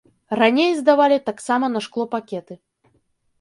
Раней здавалі таксама на шклопакеты.